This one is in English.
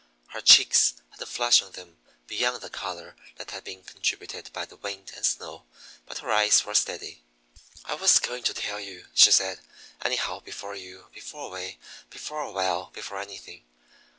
Her cheeks had a flush on them beyond the color that had been contributed by the wind and snow; but her eyes were steady. "I was going to tell you," she said, "anyhow, before you before we before well, before anything.